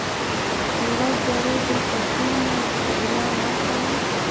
يوه ګړۍ دلته کېنه؛ ستړیا واچوه.